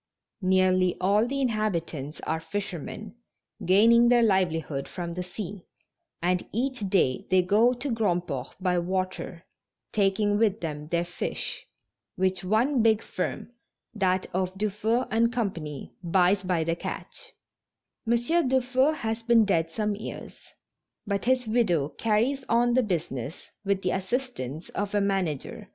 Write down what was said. Nearly all the inhabitants are fisher men, gaining their livelihood from the sea, and each day ( 198 ) THE MAKES AND THE FLOCHES. 199 they go to Grandport by water, taking with them their fish, which one big firm — that of Dufeu & Co. — buys by the catch. M. Dufeu has been dead some years, but his widow carries on the business with the assistance of a manager, M.